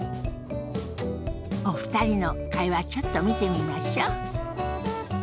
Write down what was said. お二人の会話ちょっと見てみましょ。